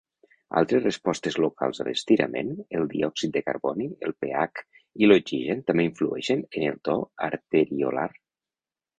Altres respostes locals a l'estirament, el diòxid de carboni, el pH i l'oxigen també influeixen en el to arteriolar.